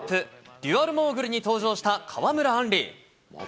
デュアルモーグルに登場した川村あんり。